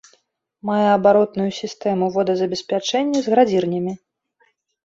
Мае абаротную сістэму водазабеспячэння з градзірнямі.